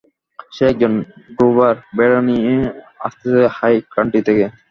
সে একজন ড্রোভার, ভেড়া নিয়ে আসতেছে হাই কান্ট্রি থেকে।